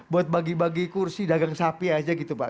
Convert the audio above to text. buat bagi bagi kursi dagang sapi aja gitu pak